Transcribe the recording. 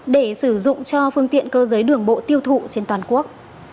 để sử dụng cho phương tiện cơ giới đường bộ tiêu thụ trên toàn quốc